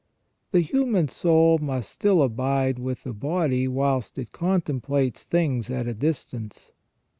The human soul must still abide with the body whilst it contemplates things at a distance.